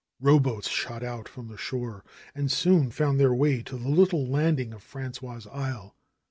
Rowboats shot out from the shore and soon found their way to the little landing of Frangois' isle.